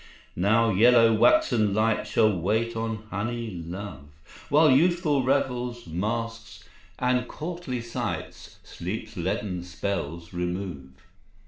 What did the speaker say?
Now yellow waxen lights Shall wait on honey love, While youthful revels, masques, and courtly sights Sleep's leaden spells remove.